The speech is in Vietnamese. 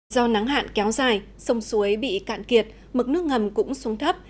do nắng hạn kéo dài sông suối bị cạn kiệt mực nước ngầm cũng xuống thấp